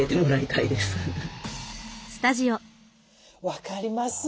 分かります。